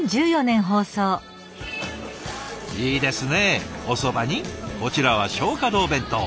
いいですねおそばにこちらは松花堂弁当。